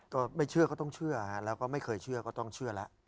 ก็ไม่เชื่อก็ต้องเชื่อแล้วก็ไม่เคยเชื่อก็ต้องเชื่อแล้ว